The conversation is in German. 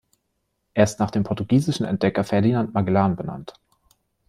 Er ist nach dem portugiesischen Entdecker Ferdinand Magellan benannt.